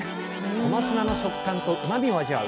小松菜の食感とうまみを味わう